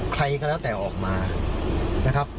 ใครก็แล้วแต่ออกมานะครับ